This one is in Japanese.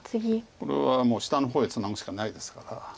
これはもう下の方へツナぐしかないですから。